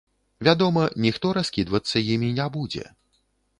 Вядома, ніхто раскідвацца імі не будзе.